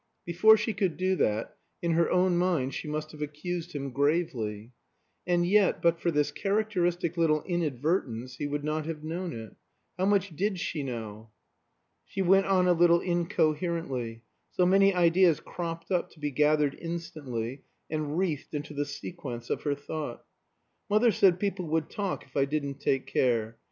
Before she could do that, in her own mind she must have accused him gravely. And yet, but for this characteristic little inadvertence, he would never have known it. How much did she know? She went on a little incoherently; so many ideas cropped up to be gathered instantly, and wreathed into the sequence of her thought. "Mother said people would talk if I didn't take care.